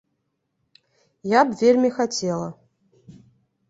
Я б вельмі хацела.